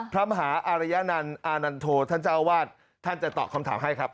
พระมหาอารยนันต์อานันโทท่านเจ้าวาดท่านจะตอบคำถามให้ครับ